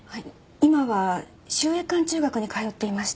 今は秀英館中学に通っていまして。